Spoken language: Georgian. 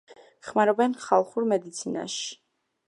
ხმარობენ ხალხურ მედიცინაში.